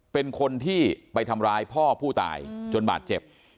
เป็นคนที่ไปทำร้ายพ่อผู้ตายจนบาดเจ็บ